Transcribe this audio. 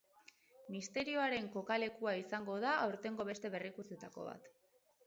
Misterioaren kokalekua izango da aurtengo beste berrikuntzetako bat.